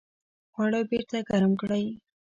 خواړه بیرته ګرم کړئ